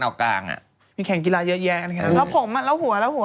ใช่ค่ะมีแข่งกีฬาเยอะแยะกันค่ะแล้วผมแล้วหัว